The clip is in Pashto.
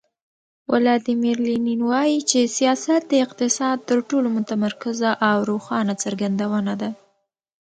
ولادیمیر لینین وایي چې سیاست د اقتصاد تر ټولو متمرکزه او روښانه څرګندونه ده.